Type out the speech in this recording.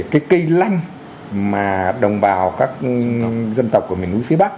cái cây lanh mà đồng bào các dân tộc của miền núi phía bắc